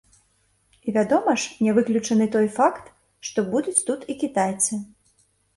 І, вядома ж, не выключаны той факт, што будуць тут і кітайцы.